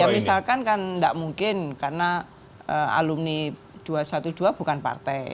ya misalkan kan tidak mungkin karena alumni dua ratus dua belas bukan partai